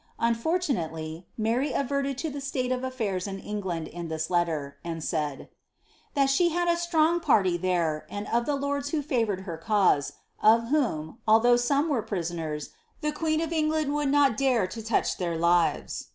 Unfortunately, Mary d to the state of a&irs in England in this letter, and said, ^ that I a strong party there, and of the lords who favoured her cause, ND, although some were prisoners, the queen of England would re to touch their lives."